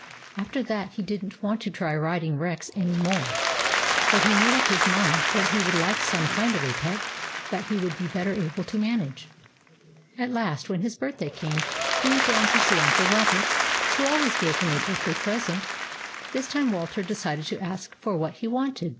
After that he did n't want to try riding Rex any more; but he made up his mind that he would like some kind of a pet that he would be better able to manage. At last when his birthday came, he went down to see Uncle Robert, who always gave him a birthday present. This time Walter decided to ask for what he wanted.